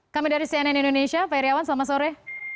kami dari cnn indonesia pak iryawan selamat sore